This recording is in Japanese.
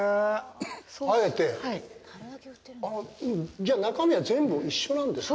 じゃあ中身は全部一緒なんですね。